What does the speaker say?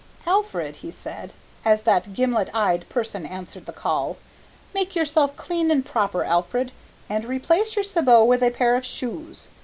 "Alfred," he said, as that gimlet eyed person answered the call, "make yourself clean and proper, Alfred, and replace your sabots with a pair of shoes.